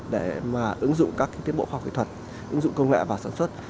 để mà ứng dụng các tiến bộ khoa học kỹ thuật ứng dụng công nghệ vào sản xuất